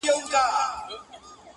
انصاف څه سو آسمانه زلزلې دي چي راځي٫